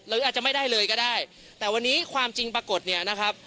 หรืออาจจะไม่ได้เลยก็ได้แต่วันนี้ความจริงปรากฏเนี่ยนะครับ